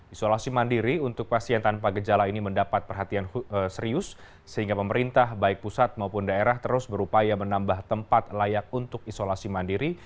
isolasi mandiri untuk pasien tanpa gejala ini mendapat perhatian serius sehingga pemerintah baik pusat maupun daerah terus berupaya menambah tempat layak untuk isolasi mandiri